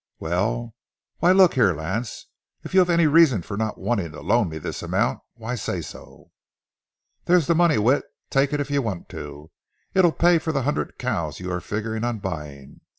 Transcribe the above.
"Well—why—Look here, Lance. If you have any reason for not wanting to loan me this amount, why, say so." "There's the money, Whit; take it if you want to. It'll pay for the hundred cows you are figuring on buying.